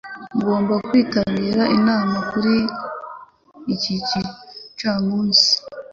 Ngomba kwitabira inama kuri iki gicamunsi.